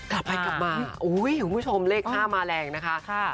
กลับมาอุ้ยคุณผู้ชมเลข๕มาแรงนะคะ